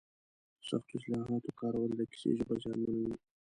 د سختو اصطلاحاتو کارول د کیسې ژبه زیانمنوي.